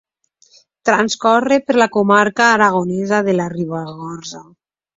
Transcorre per la comarca aragonesa de la Ribagorça.